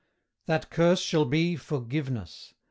That curse shall be forgiveness.